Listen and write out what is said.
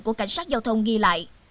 của cảnh sát giao thông ghi lại